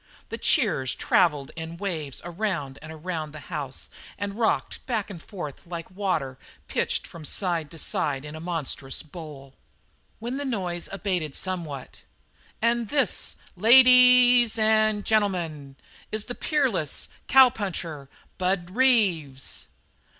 The cheers travelled in waves around and around the house and rocked back and forth like water pitched from side to side in a monstrous bowl. When the noise abated somewhat, "And this, la a a dies and gen'l'mun, is the peerless, cowpuncher, 'Bud Reeves.'"